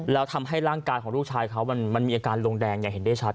แล้วทำให้ร่างกายของลูกชายเขามันมีอาการลงแดงอย่างเห็นได้ชัด